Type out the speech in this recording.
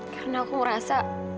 karena aku merasa